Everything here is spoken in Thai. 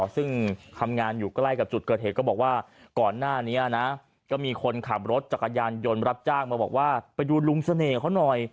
ซึ่งทำงานอยู่ใกล้กับจุดเกิดเหตุก็บอกว่าก่อนหน้านี้นะก็มีคนขับรถจักรยานยนต์รับจ้างมาบอกว่าไปดูลุงเสน่ห์เขาหน่อย